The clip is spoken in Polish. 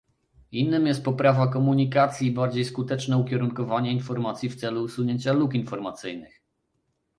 Innym jest poprawa komunikacji i bardziej skuteczne ukierunkowanie informacji w celu usunięcia luk informacyjnych